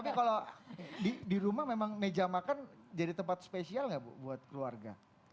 tapi kalau di rumah memang meja makan jadi tempat spesial nggak bu buat keluarga